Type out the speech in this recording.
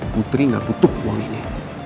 putri nggak butuh uang ini